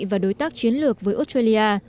và đối tác chiến lược với australia